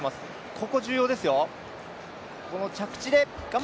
ここ重要ですよ。